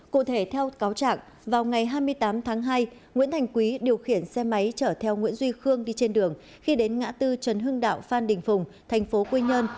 cụ thể theo cáo trạng vào ngày hai mươi tám tháng hai nguyễn thành quý điều khiển xe máy chở theo nguyễn duy khương đi trên đường khi đến ngã tư trần hưng đạo phan đình phùng thành phố quy nhơn